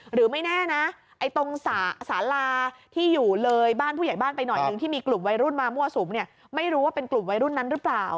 หรือไม่แน่นะไอ้ตรงสาลาที่อยู่เลยกลุ่มวัยรุ่นนั้นไม่รู้ว่าเป็นกลุ่มวัยรุ่นนั้นหรือเปล่า